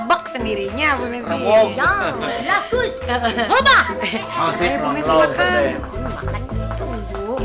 ada ratus bu uh